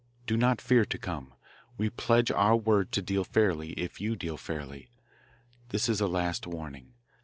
Do not fear to come. We pledge our word to deal fairly if you deal fairly. This is a last warning.